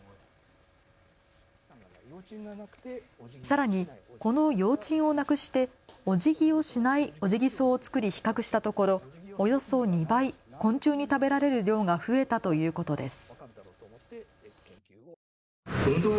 さらにこの葉枕をなくしておじぎをしないオジギソウを作り比較したところ、およそ２倍、昆虫に食べられる量が増えたということです。